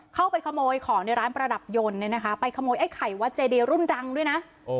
เข้าไปขโมยของในร้านประดับยนต์ไปขโมยไอ้ไข่วัดเจดีรุ่นดังด้วยนะ